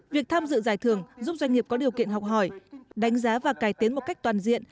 việc tham dự giải thưởng giúp doanh nghiệp có điều kiện học hỏi đánh giá và cải tiến một cách toàn diện